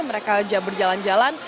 mereka saja berjalan jalan